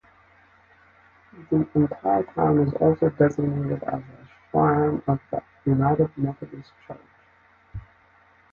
The entire town is also designated as a shrine of the United Methodist Church.